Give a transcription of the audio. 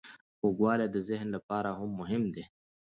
خوږوالی د ذهن لپاره هم مهم دی.